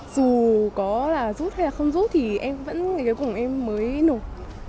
dù có là rút hay là không rút thì em vẫn nghĩ cái cùng em mới nộp